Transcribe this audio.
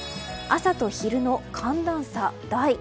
朝と昼の寒暖差大。